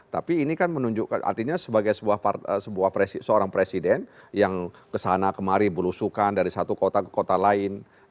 tapi ini kan menunjukkan artinya sebagai seorang presiden yang kesana kemari berusukan dari satu kota ke kota lain